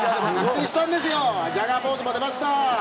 ジャガーポーズも出ました。